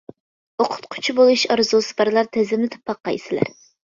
ئوقۇتقۇچى بولۇش ئارزۇسى بارلار تىزىملىتىپ باققايسىلەر.